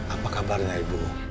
apa kabarnya ibu